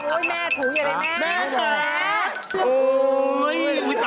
โอ๊ย